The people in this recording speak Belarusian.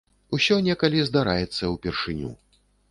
Усё некалі здараецца ўпершыню.